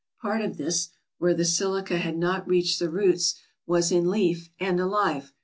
Part of this, where the silica had not reached the roots, was in leaf and alive.